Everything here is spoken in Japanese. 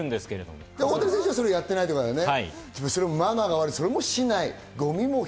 大谷選手はそれやってないってことだよね。